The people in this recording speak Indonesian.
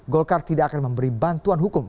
golkar tidak akan memberi bantuan hukum